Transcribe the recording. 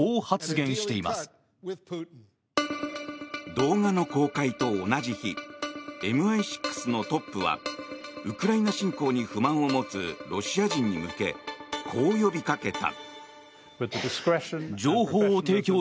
動画の公開と同じ日ＭＩ６のトップはウクライナ侵攻に不満を持つロシア人に向けこう呼びかけた。